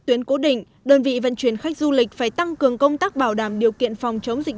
tuyến cố định đơn vị vận chuyển khách du lịch phải tăng cường công tác bảo đảm điều kiện phòng chống dịch